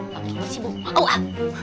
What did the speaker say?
mas ibu awas